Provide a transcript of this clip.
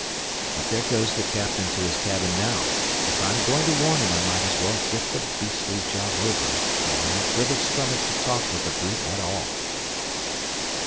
"But there goes the captain to his cabin now. If I am going to warn him I might as well get the beastly job over for I have little stomach to talk with the brute at all."